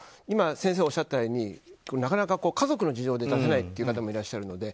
今、先生がおっしゃったようになかなか、家族の事情で出せないという方もいらっしゃる。